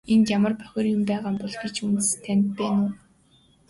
Энд ямар нэг бохир юм байгаа гэж бодох үндэс танд байна уу?